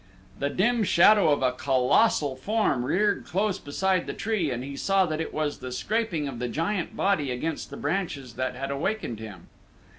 The dim shadow of a colossal form reared close beside the tree and he saw that it was the scraping of the giant body against the branches that had awakened him.